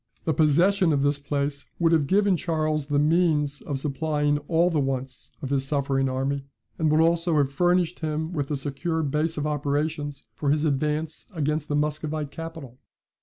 The possession of this place would have given Charles the means of supplying all the wants of his suffering army, and would also have furnished him with a secure base of operations for his advance against the Muscovite capital.